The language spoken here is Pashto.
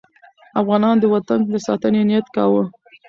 افغانان د وطن د ساتنې نیت کاوه.